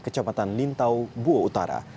kecamatan lintau bua utara